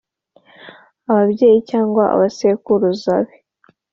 ababyeyi, cyangwa abasekuruza be.